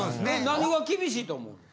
何が厳しいと思うの？